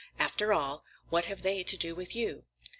After all, what have they to do with you?"